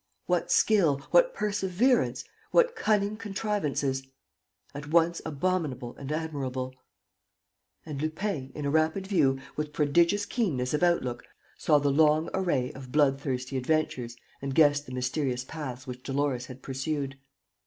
What skill, what perseverance, what cunning contrivances, at once abominable and admirable! And Lupin, in a rapid view, with prodigious keenness of outlook, saw the long array of bloodthirsty adventures and guessed the mysterious paths which Dolores had pursued.